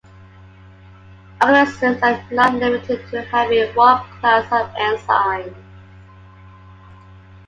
Organisms are not limited to having one class of enzymes.